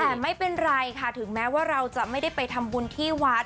แต่ไม่เป็นไรค่ะถึงแม้ว่าเราจะไม่ได้ไปทำบุญที่วัด